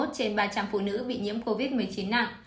trên ba trăm linh phụ nữ bị nhiễm covid một mươi chín nặng